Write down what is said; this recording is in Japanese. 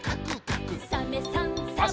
「サメさんサバさん」